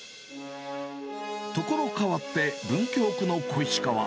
ところかわって文京区の小石川。